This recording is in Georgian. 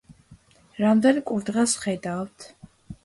რამდენ კურდღელს ხედავთ?